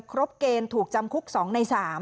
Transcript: ครบเกณฑ์ถูกจำคุก๒ใน๓